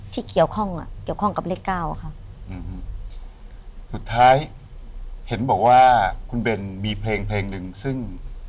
ที่เกี่ยวข้องอ่ะเกี่ยวข้องกับเลขเก้าอะค่ะอืมสุดท้ายเห็นบอกว่าคุณเบนมีเพลงเพลงหนึ่งซึ่ง